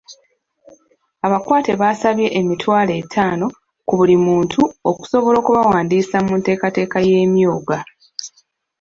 Abakwate basabye emitwalo etaano ku buli muntu okusobola okubawandiisa mu nteekateeka y'Emyooga.